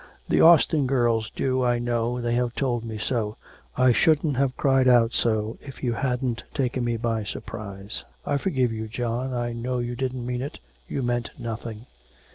The Austin girls do, I know, they have told me so. I shouldn't have cried out so if you hadn't taken me by surprise. I forgive you, John, I know you didn't mean it, you meant nothing.'